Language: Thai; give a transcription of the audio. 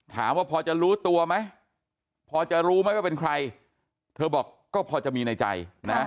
ถามว่าพอจะรู้ตัวไหมพอจะรู้ไหมว่าเป็นใครเธอบอกก็พอจะมีในใจนะ